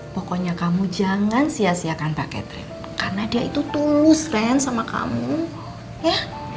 pokoknya kamu jangan sia siakan pakai train karena dia itu tulus ren sama kamu ya